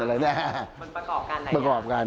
มันประกอบกันไหนอย่างนั้นครับประกอบกัน